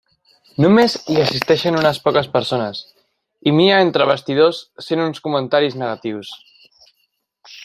Només hi assisteixen unes poques persones, i Mia entre bastidors sent uns comentaris negatius.